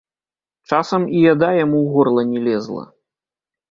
Часам і яда яму ў горла не лезла.